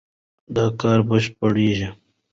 دا کار بشپړېږي.